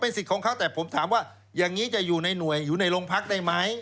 สิทธิ์ของเขาแต่ผมถามว่าอย่างนี้จะอยู่ในหน่วยอยู่ในโรงพักได้ไหม